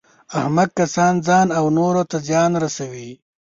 احمق کسان ځان او نورو ته زیان رسوي.